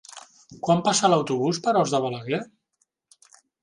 Quan passa l'autobús per Os de Balaguer?